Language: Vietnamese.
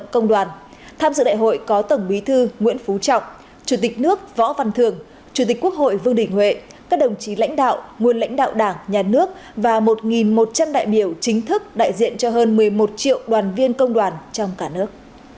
chủ tịch nước võ văn thường chủ tịch quốc hội vương đình huệ các đồng chí lãnh đạo nguồn lãnh đạo đảng nhà nước và một một trăm linh đại biểu chính thức đại diện cho hơn một mươi một triệu đoàn viên công đoàn trong cả nước